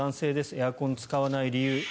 エアコン使わない理由。